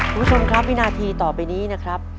คุณผู้ชมครับวินาทีต่อไปนี้นะครับ